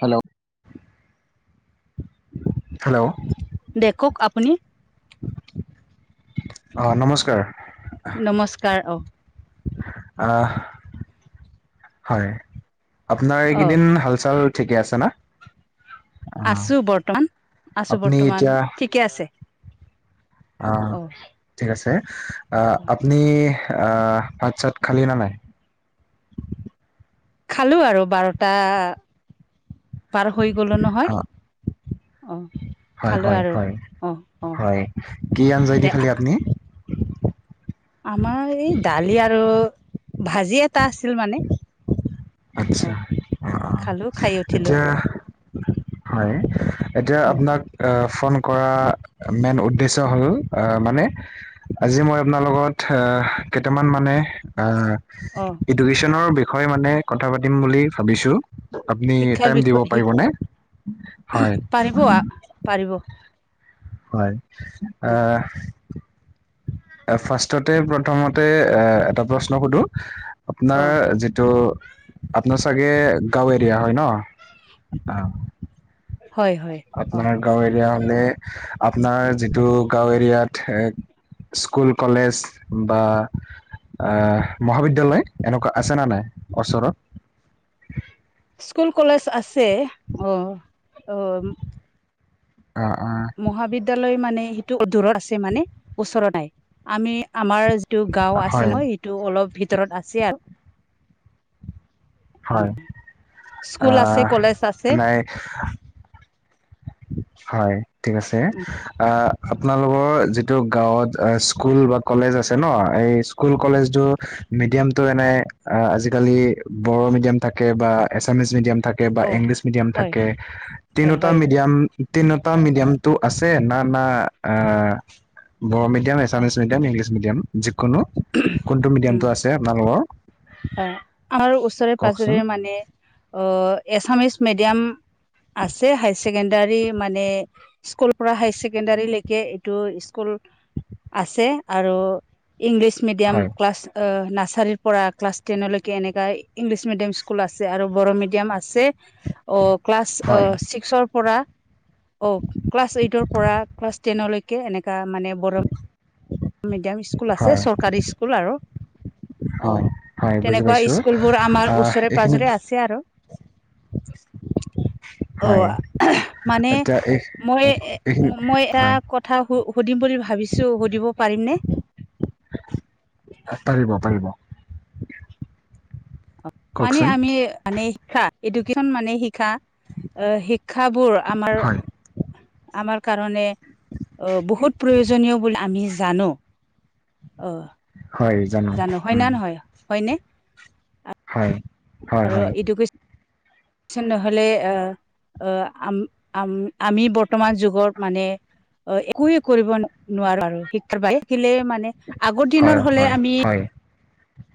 Hello, দেশক আপুনি অহ, নমস্কাৰ। নমস্কাৰ অ', আহ, হয়। আপোনাৰ এইকেইদিন হাল চাল -ঠিকে আছে না? অ আছো বৰ্তমান -আছো আপুনি বৰ্তমান ঠিকে আছে। অহ, অ ঠিক আছে অহ আপুনি আ ভাত চাত খালী না নাই? খালো আৰু বাৰটা বাৰ হৈ গ'লো অ নহয় অহ। হয় -হয় -হয় -হয় কি আঞ্জাইদি দে খালি আপনি? আমাৰ এই দালি আৰু ভাজি এটা আছিল মানে। আচ্ছা। অ অ খালো খাই উঠিলো এতিয়া হয় এতিয়া উম আপোনাক অহ ফোন কৰা মেইন উদ্দেশ্য হ'ল মানে আজি মই আপোনাৰ লগত কেইটামান মানে অ', অ এডুকেশ্বনৰ বিষয়ে মানে কথা পাতিম বুলি ভাবিছো। আপনি শিক্ষাৰ টাইম দিব বিষয় শ পাৰিবনে? হয়। পাৰিব আ পাৰিব। হয়, দে আহ ফাৰ্ষ্টতে প্ৰথমতে এ এটা প্ৰশ্ন সোধো? অ আপোনাৰ যিটো আপোনাৰ চাগে গাওঁ এৰিয়া হয় ন' অহ। হয় হয় অ আপোনাৰ গাঁও এৰিয়া হলে আপোনাৰ যিটো গাঁও এৰিয়াত স্কুল কলেজ বা। আহ মহাবিদ্যালয় এনেকুৱা আছে না নাই ওচৰত। স্কুল কলেজ আছে অ অ। অ', অ', মহাবিদ্যালয় মানে সেইটো দূৰত আছে মানে ওচৰত নাই আমি। আমাৰ যিটো গাও আছে হয়, ন সিটো অলপ ভিতৰত আছে আৰু। হয়। স্কুল আছে আহ কলেজ আছে। নাই হয় ঠিক আছে উম আ অ আপোনালোকৰ যি। এইটো গাঁৱত অ স্কুল বা কলেজ আছে ন এই স্কুল কলেজ বুৰ মিডিয়ামতটো এনে অ আজিকালি বড়ো মিডিয়াম থাকে বা এছামিছ মিডিয়াম। থাকে বা অ ইংলিছ মিডিয়াম হয় থাকে হয় তিনিটা হয় ম। তিটা মিডিয়ামটো আছে না না আ। বডো মিডিয়াম অ এছামিছ মিডিয়াম ইংলিছ মিডিয়াম যিকোনো কোনটো উম মিডিয়ামটো আছে আপোনালোকৰ। হয়, আমাৰ ওচৰে- কওকচোন পাজৰে মানে অ', এছামিচ মিডিয়াম আছে হাই ছেকেণ্ডাৰী মানে স্কুল পৰা হাই ছেকেণ্ডাৰী লেইকে এইটো স্কুল আছে আৰু ইংলিছ মিডিয়াম হয় ক্লাছ অহ নাৰ্চাৰীৰ পৰা ক্লাছ টেনলৈকে এনেকুৱা ইংলিছ মিডিয়াম স্কুল আছে আৰু বড়ো মিডিয়াম আছে। অহ, ক্লাছ হয় অহ ছিক্সৰ পৰা অহ, ক্লাছ এইটৰ পৰা ক্লাছ টেনলৈকে এনেকা মানে বৰ মিডিয়াম স্কুল আছে হয় চৰকাৰী স্কুল আৰু। অ হয় হয় বুজি তেনেকুৱা পাইছো স্কুলবোৰ আমাৰ আহ ওচৰে এইখিনিত পাজৰে আছে আৰু। [inaudible] [inaudible] অ মানে এতিয়া এই মই এইখিনি মই এটা হয় কথা। সুধিম বুলি ভাবিছো সুধিব পাৰিম নে। পাৰিব পাৰিব। মানে কওকচোন আমি মানে শিক্ষা এডুকেশচন মানে শিকা। এ শিক্ষাবোৰ আমাৰ হয়। আমাৰ। কাৰণে আহ বহুত প্ৰয়োজনীয় বুলি আমি জানো আহ। হয় জানো হয় না উম, নহয় হয়নে। হয়। হয় আৰু হয় এডুকেশ্যন। [inaudible] চন নহলে আহ আহ আম আম আমি বৰ্তমান যুগৰ মানে। অ একোৱে কৰিব নোৱাৰো আৰু শিক্ষাৰ ব শিকিলে মানে। মে আগৰ হয় দিনৰ হলে হয় আমি। হয়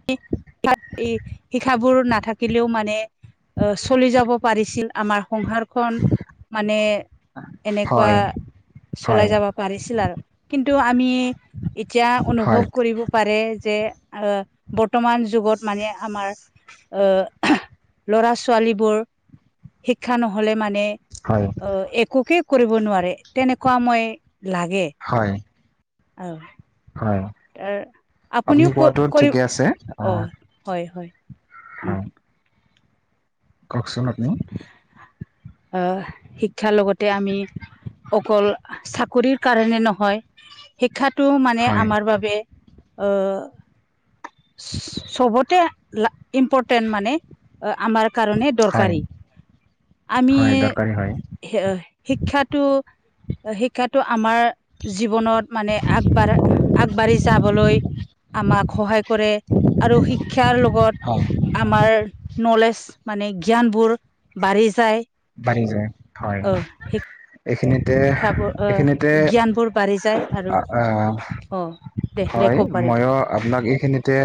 শিক্ষাবোৰ নাথাকিলেও মানে। অ চলি যাব পাৰিছিল আমাৰ। সংহাৰখন মানে এনেকুৱা। হয় চলাই হয় যাব পাৰিছিল আৰু কিন্তু আমি এতিয়া অনুভৱ হয় কৰিব পাৰে যে। অ। বৰ্তমান যুগত মানে আমাৰ আহ লৰা ছোৱালীবোৰ। শিক্ষা নহলে মানে হয় অ একোকে কৰিব নোৱাৰে তেনেকুৱা মই। লাগে হয় আহ। হয় তাৰ আপুনি আপুনিও ক কোৱাটো কৰি ঠিকে আছে অ আহ হয় হয়। উম হয়। কওকচোন আপনি। আহ শিক্ষাৰ লগতে আমি অকল চাকৰিৰ কাৰণে নহয়। শিক্ষাটো মানে হয় আমাৰ বাবে আহ। চবতে লা ইম্পৰটেণ্ট মানে। আমাৰ কাৰণে হয় দৰকাৰী। আমি হয় দৰকাৰী হয় শিক্ষাটো শিক্ষোটো আমাৰ জীৱনত মানে আগবাঢ় আগবাঢ়ি যাবলৈ আমাক সহায় কৰে আৰু শিক্ষাৰ লগত হয় আমাৰ নলেজ মানে জ্ঞান বোৰ বাঢ়ি যায় বাঢ়ি যায় হয় আহ এইখিনিতে শিক্ষাবোৰ আহ এইখিনিতে জ্ঞানবোৰ বাঢ়ি যায় আৰু আ- আহ, অ দে দে হয় ক'ব পাৰে দে ময়ো আপোনাক এইখিনিতে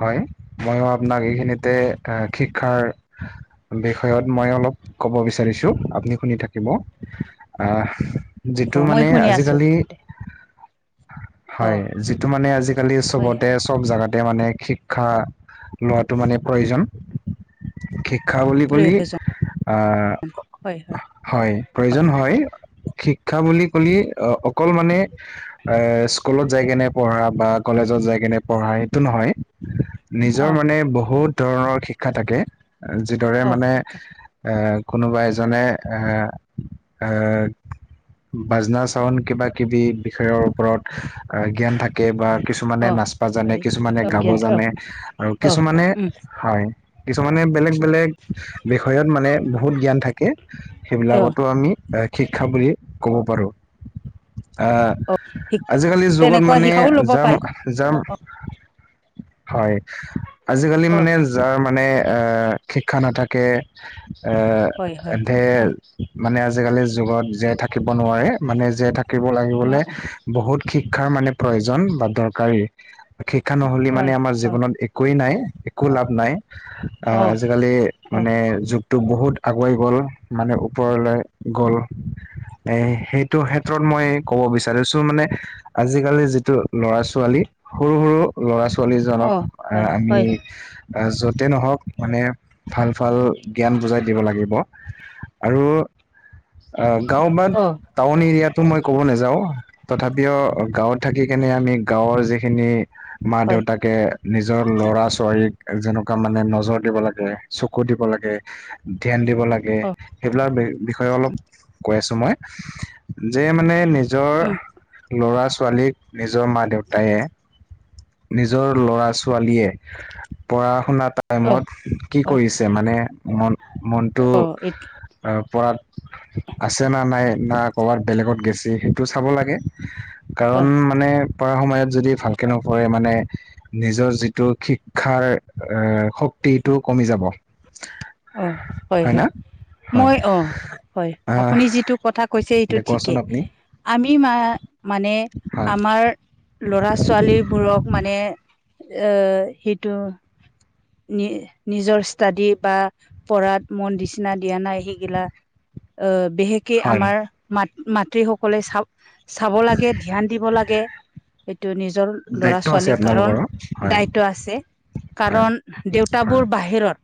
হয় ময়ো আপোনাক এইখিনিতে এ শিক্ষাৰ বিষয়ত মই অলপ ক'ব বিচাৰিছো আপুনি শুনি থাকিব আহ যিটো অ মই মানে শুনি আছো আজিকালি দে অ হয় যিটো মানে আজিকালি হয় চবতে চব জাগাত মানে শিক্ষা লোৱাটো মানে প্ৰয়োজন শিক্ষা বুলি অ কলে প্ৰয়োজন হয় প্ৰজন হয়। শিক্ষা বুলি ক'লে অ অকল মানে এ স্কুলত যাই কেনে পঢ়া বা কলেজত যায়। কেনে পঢ়া সেইটো নহয়। নিজৰ অ মানে হয় বহুত ধৰণৰ শিক্ষা থাকে যিদৰে অ মানে শিক্ষা অ কোনোবা এজনে অ অ। বাজনা চাউণ্ড কিবা কিবি বিষয়ৰ ওপৰত জ্ঞান থাকে বা কিছুমানে অ নাচবা জানে হেৰি কিছুমানে গাব অজ্ঞান অ জানে আৰু অ কিছুমানে উম হয় কিছুমানে বেলেগ বেলেগ বিষয়ত মানে বহুত জ্ঞান থাকে অ সেইবিলাকতো আমি শিক্ষা বুলি ক'ব পাৰো আ অ শ আজিকালিৰ যুগত তেনেকুৱা মানে শিক্ষাও ল'ব পাৰে যাম-যাম অ হয় আজিকালি অ মানে যাৰ মানে এ শিক্ষা নাথাকে এ হয় হয় এতে অ মানে আজিকালি যুগত জীয়াই থাকিব নোৱাৰে মানে জীয়াই থা থাকিব ন লাগিবলে বহুত শিক্ষাৰ মানে প্ৰয়োজন বা দৰকাৰী শিক্ষা নহলে মানে হয় আমাৰ অ জীৱনত একোৱেই নাই একো লাভ নাই অ আহ আজিকালি অ মানে তো বহুত আগুৱাই গ'ল মানে ওপৰলৈ গ'ল এ সেইটো ক্ষেত্ৰত মই কব বিচাৰিছো মানে আজিকালি যিটো ল'ৰা ছোৱালী সৰু সৰু ল'ৰা ছোৱালী ছলীজনক অ হয় আমি হয় য'তে নহওক মানে ভাল ভাল জ্ঞান বুজাই দিব লাগিব আৰু আ গাঁও বা অ টাউন এৰিয়াটো মই ক'ব নেযাওঁ তথাপিও গাঁৱত থাকি কেনে আমি গাঁৱৰ যিখিনি মা হয় দেউতাকে নিজৰ ল'ৰা ছোৱালীক যেনেকোৱা মানে নজৰ দিব লাগে চকু দিব লা গে ধ্যান দিব লাগে অ সেইবিলাক বিষয়ে অলপ কৈ আছে মই যে মানে নিজৰ উম লৰা ছোৱালীক নিজৰ মা দেউতায়ে নিজৰ ল'ৰা ছোৱালীয়ে পঢ়া শুনাত অ টাইমত কি কৰিছে মানে মন মনটো অ পঢ়াত আছে না নাই না ক'ৰবাত বেলেগত গেছে সেইটো চাব লাগে অ কাৰণ মানে পঢ়া সময়ত যদি ভালকে নপঢ়ে মানে নিজৰ যিটো শিক্ষাৰ এ শক্তিটো কমি যাব অ হয় হয় হয় মই অ হয় আহ আপুনি যিটো কথা কৈছে সেইটো দে কোৱাচোন ঠিকে আপুনি আমি মা মানে হয় আমাৰ লৰা ছোৱালীবোৰক মানে অ সেইটো নি নিজৰ ষ্টাডি বা পঢ়াত মন দিচি না দিয়া নাই সেইগিলা আহ বিশেষকে হয় আমাৰ মাত মাতৃ সকলে চাওক চাব লাগে ধ্যান দিব লাগে এইটো নিজৰ ল'ৰা দায়িত্ব আছে ছোৱালীৰ কাৰণ আপোনালোকৰো হয় দায়িত্ব আছে হয় কাৰণ দেউতাবোৰ হয় বাহিৰত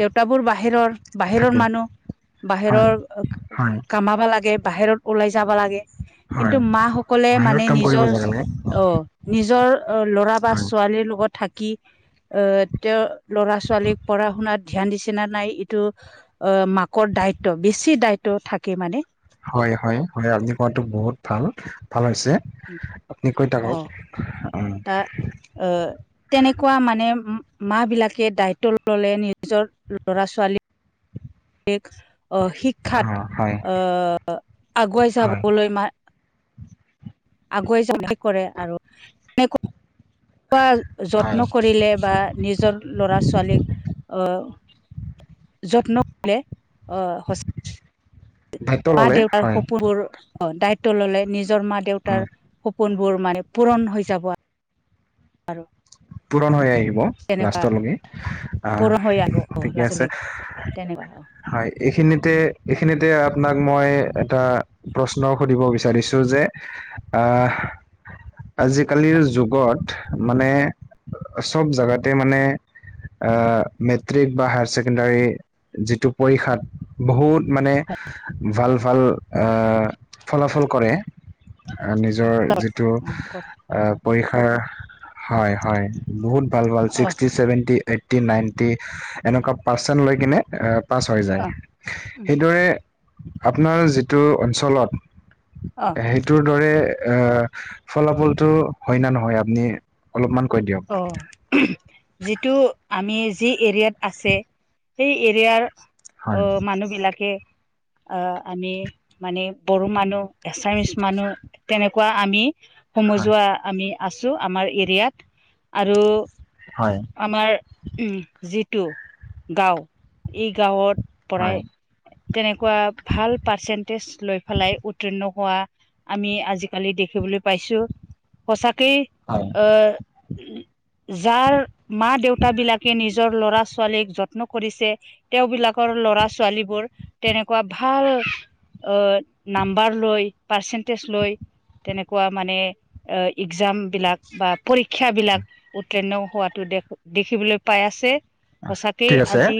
দেউতাবোৰ বাহিৰৰ বাহিৰৰ থাকে মানুহ হয় বাহিৰৰ হয় কামাবা লাগে বাহিৰত ওলাই যাবা লাগে। কিন্তু হয় মা সকলে বাহিৰত মানে কাম কৰিব যাব নিজৰ- লাগে অ নিজৰ অ ল'ৰা বা হয় ছোৱালীৰ লগত থাক- কি এ তেওঁ ল'ৰা ছোৱালীক পঢ়া শুনাত ধ্যান দিছে না নাই এইটো অ মাকৰ দায়িত্ব বেছি দায়িত্ব থাকে মানে। হয় হয় হয় আপুনি কোৱাটো বহুত ভাল ভাল হৈছে। আপুনি কৈ থাকক অহ অ তা অহ তেনেকুৱা মানে। মা বিলাকে দায়িত্ব ল'লে নিজৰ ল'ৰা ছোৱালীক অহ অ, শিক্ষাত হয় অহ আগুৱাই হয় যাবলৈ মাৰ- আগুৱাই যাম কি কৰে আৰু হয় যত্ন কৰিলে বা নিজৰ লৰা ছোৱালীক অহ যত্ন ললে অহ সচ- দায়িত্ব মা ল'লে দেউতাৰ হয় সপোনোৰ দায়ি তললে নিজৰ মা উম। দেউতাৰ সপোনবোৰ মানে পূৰণ হৈ যাব- আৰু পূৰণ হৈ আহিব- হ'ব তেনেকুৱা লাষ্টৰ লৈকে পূৰণ হৈ আহিব অ আহ ঠিকে আছে- লাজলৈকে তেনেকুৱা অ হয় এইখিনিতে এইখিনিতে আপোনাক মই এটা প্ৰশ্ন সুধিব বিচাৰিছোঁ যে আহ- আজিকালিৰ যুগত মানে চব জেগাতে মানে মেট্ৰিক বা হায়াৰ ছেকেণ্ডাৰী যিটো পৰীক্ষাত বহুত মানে ভাল ভাল আহ ফলাফল কৰে। নিজৰ যিটো কৰে আহ পৰী- হয় হয় বহুত ভাল ভাল অ ছিক্সটি ছেভেনটি এইটি নাইণ্টি এনেকুৱা পাৰ্চেণ্ট লৈ কিনে আহ পাছ হৈ অ যায় সেইদৰে আপোনাৰ যিটো অঞ্চলত অ সেইটোৰ দৰে এ ফলাফলতটো হয় ন নহয় আপুনি অলপমান কৈ অ দিয়ক? যিটো আমি যি এৰিয়াত আছে সেই এৰিয়াৰ হয় অ মানুহ বিলাকে আহ আমি মানে বড়ো মানুহ এছামিচ মানুহ তেনেকুৱা আমি হয় সমজোৱা আমি আছোঁ আমাৰ এৰিয়াত আৰু হয় আমাৰ উম যিটো গাওঁ এই গাঁৱত পৰাই হয় তেনেকুৱা ভাল পাৰ্চেন্টেজ লৈ পেলাই উত্তীৰ্ণ হোৱা আমি আজিকালি দেখিবলৈ পাইছোঁ। সঁচাকেই হয় অহ যাৰ মা দেউতা বিলাকে নিজৰ লৰা ছোৱালীক যত্ন কৰিছে তেওঁ বিলাকৰ ল'ৰা ছোৱালীবোৰ তেনেকুৱা ভাল অহ নাম্বাৰ লৈ পাৰ্চেন্টেজ লৈ তেনেকুৱা মানে এক্সাম বিলাক বা পৰীক্ষাবলাক উত্তীৰ্ণ হোৱাত টো দেখ দেখিবলৈ পাই আছে সঁচাকেই ঠিক আছে আজি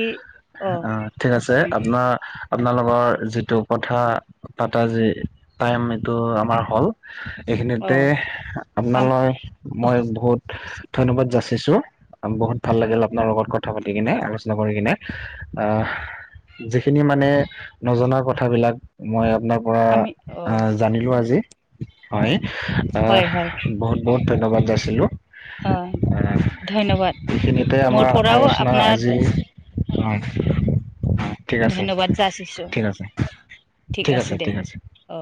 অ আহ ঠিক আছে উম উম আপোনাৰ আপোনালোকৰ যিটো কথা পাতা যে টাইম এইটো আমাৰ হ'ল। অ এইখিনিতে হাম আপোনালৈ অ মই বহুত ধন্যবাদ জাছ- ছো বহুত ভাল লাগিল আপোনাৰ লগত কথা পাতি কিনে আলোচনা কৰি কিনে আহ- যিখিনি মানে নজনা কথাবিলাক মই আপোনাৰ পৰা আমি অ জানিলোঁ আজি অ হয় আহ হয় হয় বহুত বহুত ধন্যবাদ যাচিলোঁ। অ ধন্যবাদ মোৰ পৰাও- আনা আপোনাৰ আজি- অ ঠিক আছে ধন্যবাদ যাচিছো ঠিক আছে- ঠিক আছে ঠিক আছে- অ